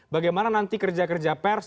bagaimana nanti kerja kerja pers